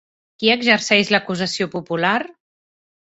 Qui exerceix l'acusació popular?